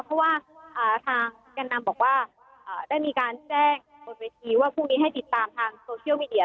เพราะว่าทางแก่นนำบอกว่าได้มีการแจ้งบนเวทีว่าพรุ่งนี้ให้ติดตามทางโซเชียลมีเดีย